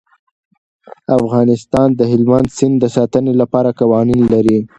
افغانستان د هلمند سیند د ساتنې لپاره قوانین لري.